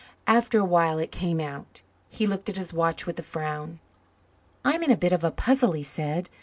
After awhile it came out. He looked at his watch with a frown. "I'm in a bit of a puzzle," he said.